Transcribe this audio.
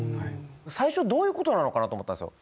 最初どういうことなのかなと思ったんですよ。